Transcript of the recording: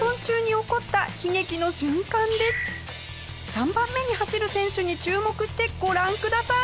３番目に走る選手に注目してご覧ください。